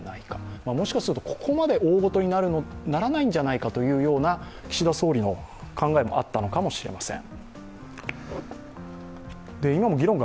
もしかすると、ここまで大ごとにならないんじゃないかという岸田総理の考えもあったのかもしれません。